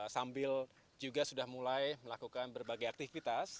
sambil juga sudah mulai melakukan berbagai aktivitas